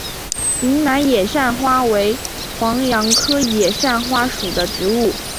云南野扇花为黄杨科野扇花属的植物。